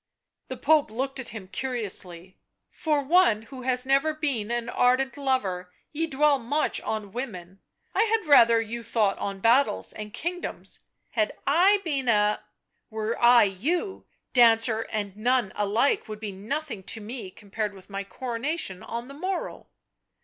The Pope looked at him curiously. "For one who has never been an ardent lover ye dwell much on women — I had rather you thought on battles and king doms — had I been a — were I you, dancer and nun alike would be nothing to me compared with my coronation on the morrow.